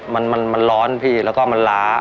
มันมันร้อนพี่แล้วก็มันล้า